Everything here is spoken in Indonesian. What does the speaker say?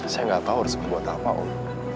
saya gak tau harus berbuat apa om